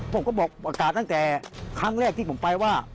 ผมก็บอกอากาศตั้งแต่ครั้งแรกที่ผมไปว่า